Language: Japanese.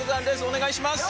お願いします！